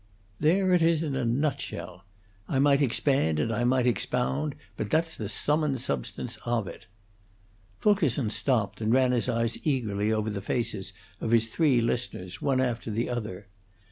There it is in a nutshell. I might expand and I might expound, but that's the sum and substance of it." Fulkerson stopped, and ran his eyes eagerly over the faces of his three listeners, one after the other.